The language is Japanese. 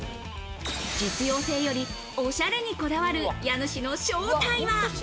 実用性よりオシャレにこだわる家主の正体とは？